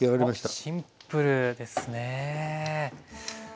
おっシンプルですね。